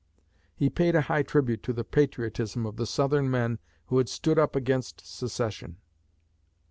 He paid a high tribute to the patriotism of the Southern men who had stood up against secession.